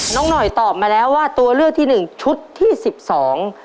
น้องหน่อยตอบมาแล้วว่าตัวเลือกที่หนึ่งชุดที่สิบสอง